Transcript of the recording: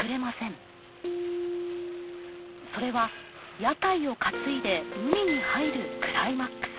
それは屋台を担いで海に入るクライマックス。